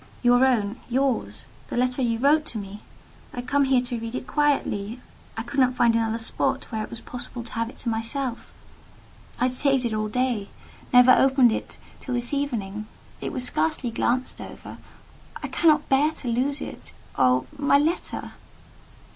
"Your own: yours—the letter you wrote to me. I had come here to read it quietly. I could not find another spot where it was possible to have it to myself. I had saved it all day—never opened it till this evening: it was scarcely glanced over: I cannot bear to lose it. Oh, my letter!"